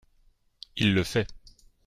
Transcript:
Il le fait